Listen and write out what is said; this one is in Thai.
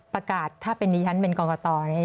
ประกาศถ้าเป็นดิฉันเป็นกรกตนี่